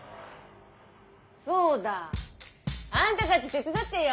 そうだあんたたち手伝ってよ。